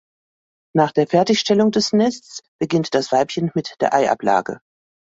Nach der Fertigstellung des Nests beginnt das Weibchen mit der Eiablage.